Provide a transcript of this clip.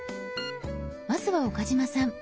まずは岡嶋さん